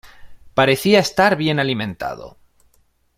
Parecía estar bien alimentado.